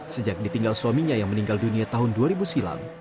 sejak ditinggal suaminya yang meninggal dunia tahun dua ribu silam